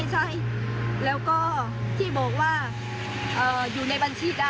สวัสดีครับ